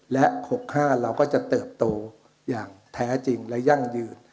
และ๖๕เราก็จะเติบโตอย่างแท้จริงและยั่งยืน